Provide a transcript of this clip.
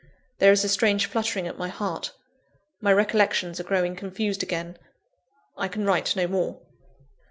There is a strange fluttering at my heart; my recollections are growing confused again I can write no more.